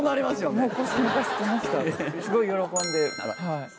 すごい喜んで。